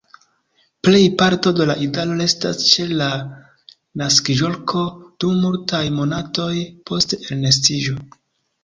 Plej parto de la idaro restas ĉe la naskiĝloko dum multaj monatoj post elnestiĝo.